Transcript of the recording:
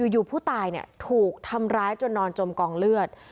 อยู่ผู้ตายถูกทำร้ายจนนอนจมกองเลือด